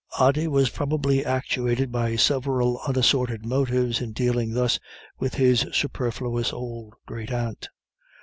Ody was probably actuated by several unassorted motives in dealing thus with his superfluous old great aunt.